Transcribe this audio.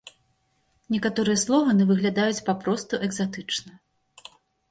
Некаторыя слоганы выглядаюць папросту экзатычна.